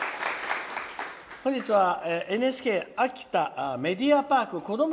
本日はＮＨＫＡＫＩＴＡメディアパークこども